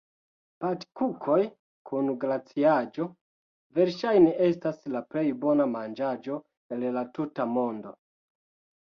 Patkukoj kun glaciaĵo, verŝajne estas la plej bona manĝaĵo el la tuta mondo.